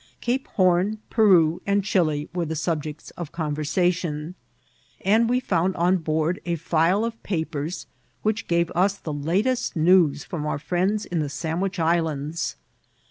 Cape Horn, Peru, and Chili were the subjects of conversation, and we found on board a file of papers, which gave us the latest news from our firiends in the Sandwich Islands.